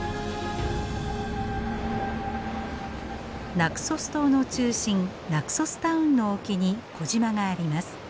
ナクソス島の中心ナクソスタウンの沖に小島があります。